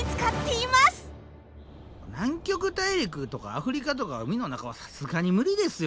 南極大陸とかアフリカとか海の中はさすがに無理ですよ